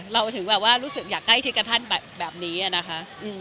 เราถึงแบบว่ารู้สึกอยากใกล้ชิดกับท่านแบบนี้นะคะ